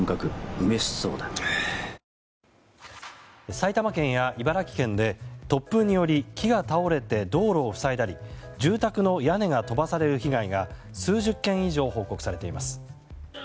埼玉県や茨城県で突風により木が倒れて道路を塞いだり住宅の屋根が飛ばされる被害が数十件以上報告されています。